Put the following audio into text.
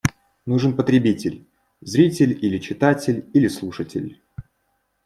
Нужен потребитель – зритель или читатель, или слушатель.